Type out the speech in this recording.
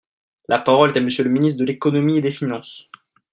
La parole est à Monsieur le ministre de l’économie et des finances.